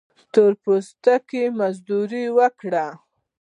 تور پوستي مزدوري وکړي.